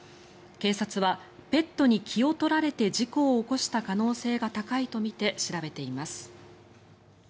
警察はペットに気を取られて事故を起こした可能性が高いとみて調べています。